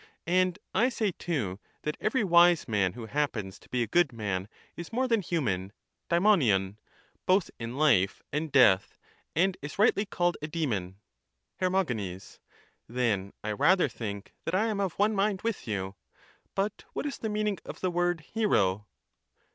And I say too, that every wise man who happens to be a good man is more than human (daifjLovtov) both in life and death, and is rightly called a demon. Her. Then I rather think that I am of one mind with you ; but what is the meaning of the word ' hero